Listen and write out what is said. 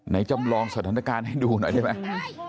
จำลองสถานการณ์ให้ดูหน่อยได้ไหม